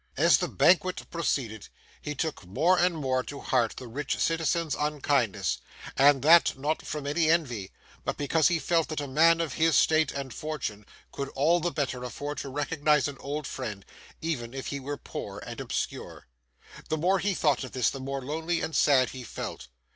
As the banquet proceeded, he took more and more to heart the rich citizen's unkindness; and that, not from any envy, but because he felt that a man of his state and fortune could all the better afford to recognise an old friend, even if he were poor and obscure. The more he thought of this, the more lonely and sad he felt.